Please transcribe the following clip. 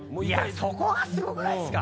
そこがすごくないっすか。